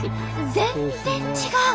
全然違う！